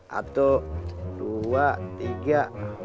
satu dua tiga